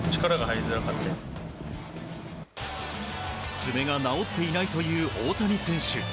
爪が治っていないという大谷選手。